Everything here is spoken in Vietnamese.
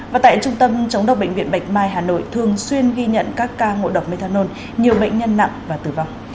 và tại trung tâm chống độc bệnh viện bạch mai hà nội thường xuyên ghi nhận các ca ngộ độc methanol nhiều bệnh nhân nặng và tử vong